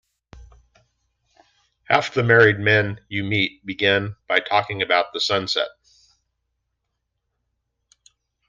Half the married men you meet began by talking about the sunset.